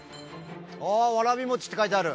あぁわらびもちって書いてある。